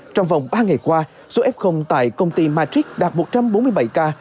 trong vòng ba ngày qua số f tại công ty matric đạt một trăm bốn mươi bảy ca